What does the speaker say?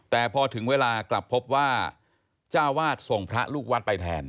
แต่พอถึงเวลากลับพบว่าเจ้าวาดส่งพระลูกวัดไปแทน